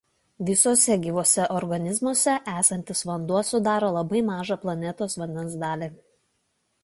Visuose gyvuose organizmuose esantis vanduo sudaro labai mažą planetos vandens dalį.